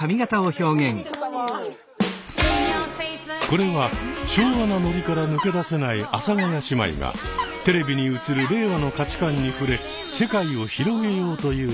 これは昭和なノリから抜け出せない阿佐ヶ谷姉妹がテレビに映る令和の価値観に触れ世界を広げようという番組です。